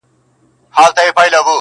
زما په لستوڼي کي ښامار لوی که!